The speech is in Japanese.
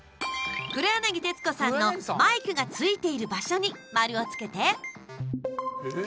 黒柳徹子さんのマイクが付いている場所に丸をつけて！